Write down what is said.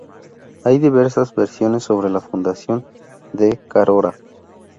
Hay diversas versiones sobre la fundación de Carora.